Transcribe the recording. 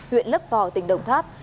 huyện lấp vò tỉnh đồng tháp